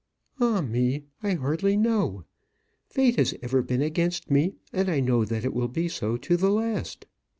"Ah, me! I hardly know. Fate has ever been against me, and I know that it will be so to the last."